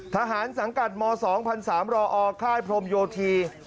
สังกัดม๒๐๐๓๐๐รอค่ายพรมโยธี